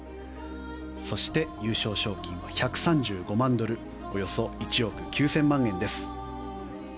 そして優勝賞金は１３５万ドルおよそ１億９０００万円です。